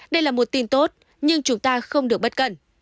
đây là một tin tốt nhưng chúng ta không được bất cẩn